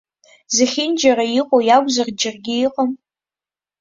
Зехьынџьара иҟоу иакәзар џьаргьы иҟам?